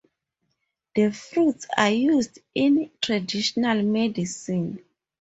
The fruits are used in traditional medicine.